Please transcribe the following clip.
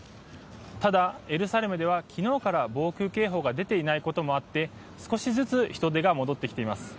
ただ、エルサレムでは昨日から防空警報が出ていないということもあって少しずつ人出が戻ってきています。